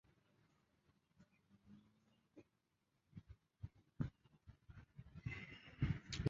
Idhaa ya Kiswahili yaadhimisha miaka sitini ya Matangazo.